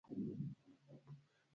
دا خبره خو دې سمه ده.